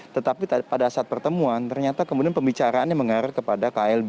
tetapi pada saat pertemuan ternyata kemudian pembicaraannya mengarah kepada klb